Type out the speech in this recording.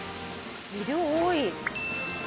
量多い。